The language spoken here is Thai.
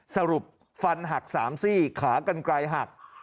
สรุปฟันหัก๓ซี่ขากันไกลหัก